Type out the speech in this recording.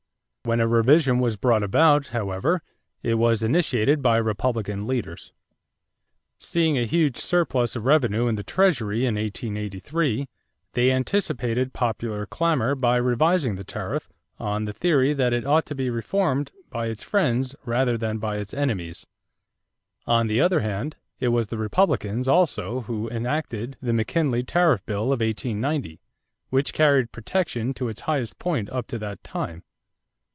When a revision was brought about, however, it was initiated by Republican leaders. Seeing a huge surplus of revenue in the Treasury in 1883, they anticipated popular clamor by revising the tariff on the theory that it ought to be reformed by its friends rather than by its enemies. On the other hand, it was the Republicans also who enacted the McKinley tariff bill of 1890, which carried protection to its highest point up to that time.